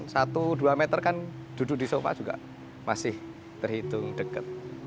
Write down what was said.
satu dua meter kan duduk di sofa juga masih terhitung dekat